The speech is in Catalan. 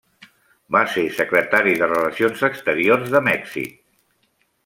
Va ser Secretari de Relacions Exteriors de Mèxic.